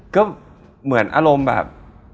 ก็เหมือนอารมณ์แบบ